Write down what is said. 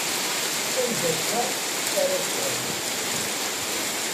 S anda akka ara teffɣeḍ?